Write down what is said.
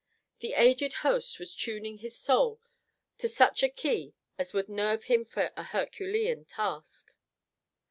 The aged host was tuning his soul to such a key as would nerve him for a Herculean task.